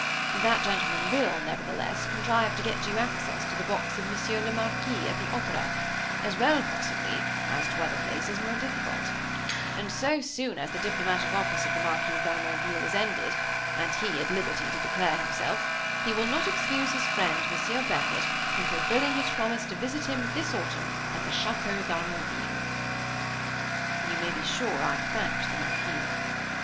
That gentleman will, nevertheless, contrive to get you access to the box of Monsieur le Marquis, at the Opera, as well, possibly, as to other places more difficult; and so soon as the diplomatic office of the Marquis d'Harmonville is ended, and he at liberty to declare himself, he will not excuse his friend, Monsieur Beckett, from fulfilling his promise to visit him this autumn at the Château d'Harmonville." You may be sure I thanked the Marquis.